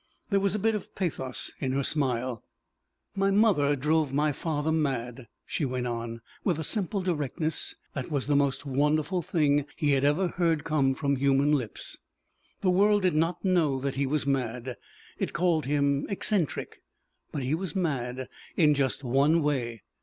There was a bit of pathos in her smile. "My mother drove my father mad," she went on, with a simple directness that was the most wonderful thing he had ever heard come from human lips. "The world did not know that he was mad. It called him eccentric. But he was mad in just one way.